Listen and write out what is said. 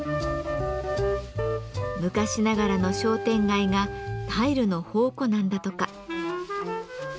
昔ながらの商店街がタイルの宝庫なんだとか。